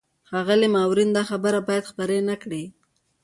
ښاغلی ماروین، دا خبرې باید خپرې نه کړې.